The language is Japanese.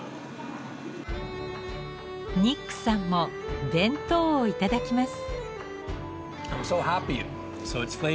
ニックさんも弁当をいただきます。